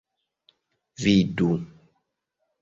vidu